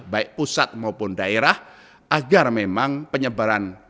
baik pusat maupun daerah agar memang penyebaran